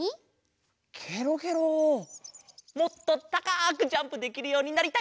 もっとたかくジャンプできるようになりたい。